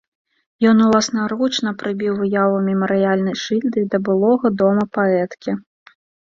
Ён уласнаручна прыбіў выяву мемарыяльнай шыльды да былога дома паэткі.